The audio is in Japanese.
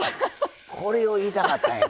これを言いたかったんやな。